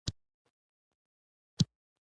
کوتره ساده طبیعت لري.